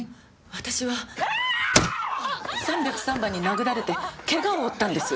私は３０３番に殴られてケガを負ったんです。